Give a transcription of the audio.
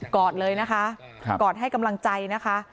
อดเลยนะคะกอดให้กำลังใจนะคะ